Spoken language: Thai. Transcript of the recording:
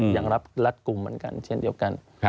อย่างรัฐกลุ่มเหมือนกันเช่นเดียวกัน